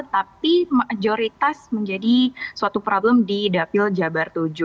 tapi mayoritas menjadi suatu problem di dapil jabar tujuh